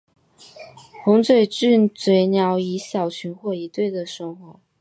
红嘴巨嘴鸟以小群或一对的生活。